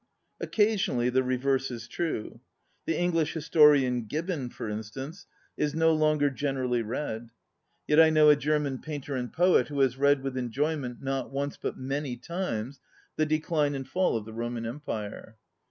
Occasionally the reverse is true. The English historian. Gibbon, for instance, is no longer generally read. Yet I know a German painter and 86 ON READING poet who has read with enjoyment, not once, but many times, " The Decline and Fall of the Roman Empire."